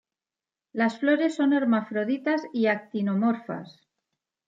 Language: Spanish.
Las flores son hermafroditas y actinomorfas.